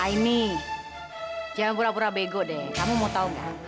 ini jangan pura pura bego deh kamu mau tau gak